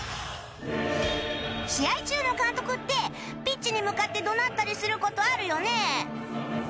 試合中の監督ってピッチに向かって怒鳴ったりする事あるよね